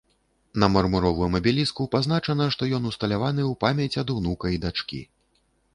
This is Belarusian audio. На мармуровым абеліску пазначана, што ён усталяваны ў памяць ад унука і дачкі.